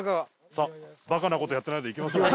さあバカな事やってないで行きましょう。